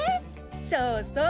そうそう！